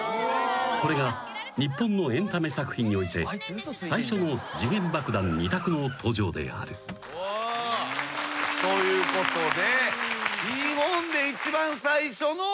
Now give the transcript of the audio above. ［これが日本のエンタメ作品において最初の時限爆弾二択の登場である］ということで。